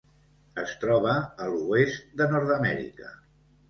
Es troba a l'oest de Nord-amèrica.